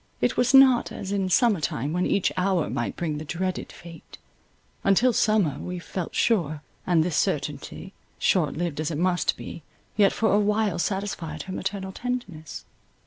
It was not as in summer time, when each hour might bring the dreaded fate—until summer, we felt sure; and this certainty, short lived as it must be, yet for awhile satisfied her maternal tenderness.